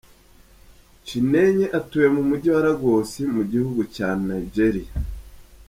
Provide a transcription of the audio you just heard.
Chinenye atuye mu mujyi wa Lagos mu gihugu cya Nigeria.